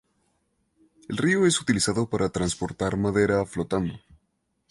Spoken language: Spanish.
El río es utilizado para transportar madera flotando.